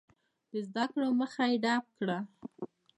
د زده کړو مخه یې ډپ کړه.